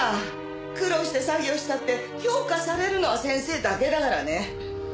苦労して作業したって評価されるのは先生だけだからね。